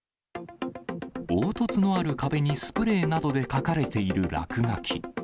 凹凸のある壁にスプレーなどで描かれている落書き。